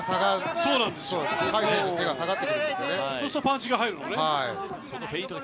そうするとパンチが入るんだね。